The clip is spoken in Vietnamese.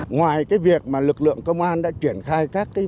ngoài cái việc mà lực lượng công an đã chuyển khai các cái giải pháp